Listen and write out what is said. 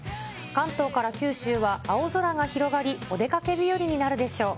関東から九州は青空が広がり、お出かけ日和になるでしょう。